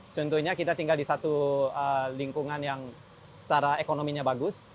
contohnya kita tinggal di satu lingkungan yang secara ekonominya bagus